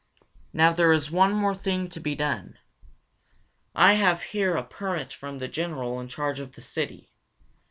"Now there is one more thing to be done. I have here a permit from the General in charge of the city.